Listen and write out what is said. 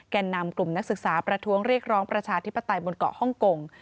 นำกลุ่มนักศึกษาประท้วงเรียกร้องประชาธิปไตยบนเกาะฮ่องกง